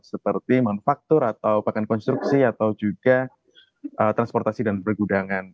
seperti manufaktur atau pakan konstruksi atau juga transportasi dan pergudangan